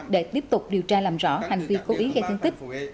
để tiếp tục điều tra làm rõ hành vi cố ý gây thương tích